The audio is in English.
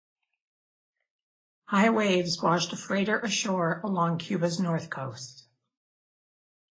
High waves washed a freighter ashore along Cuba's north coast.